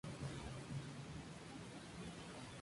Construido en "herradura".